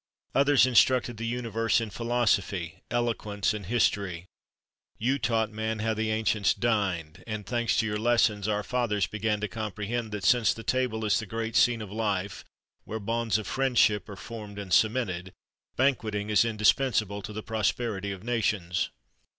Others instructed the universe in philosophy, eloquence, and history, you taught man how the ancients dined; and, thanks to your lessons, our fathers began to comprehend that, since the table is the great scene of life where bonds of friendship are formed and cemented, banqueting is indispensable to the prosperity of nations.